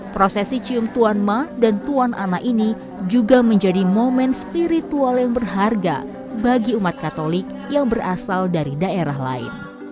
prosesi cium tuan ma dan tuan ana ini juga menjadi momen spiritual yang berharga bagi umat katolik yang berasal dari daerah lain